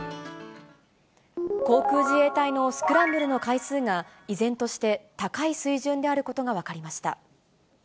航空自衛隊のスクランブルの回数が、依然として高い水準であることが分かりました。